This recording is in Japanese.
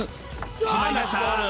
決まりました。